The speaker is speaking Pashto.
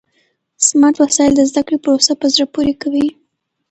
سمارټ وسایل د زده کړې پروسه په زړه پورې کوي.